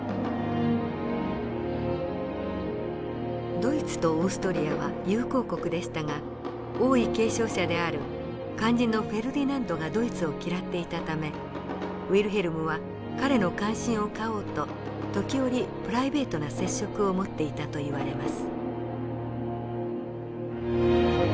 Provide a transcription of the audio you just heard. ドイツとオーストリアは友好国でしたが王位継承者である肝心のフェルディナンドがドイツを嫌っていたためウィルヘルムは彼の歓心を買おうと時折プライベートな接触を持っていたといわれます。